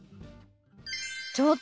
ちょっと！